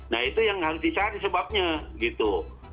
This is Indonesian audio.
nah itu yang hal tisari sebabnya gitu